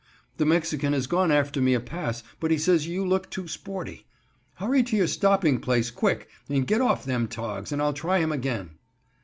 The Mexican has gone after me a pass, but he says you look too sporty. "Hurry to your stopping place, quick! and get off them togs and I'll try him again."